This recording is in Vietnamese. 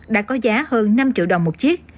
đã có giá hơn năm triệu đồng một chiếc